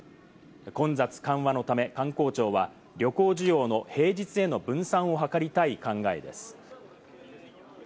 混雑緩和のため、観光庁は旅行需要の平日への分散を図りたい考えです。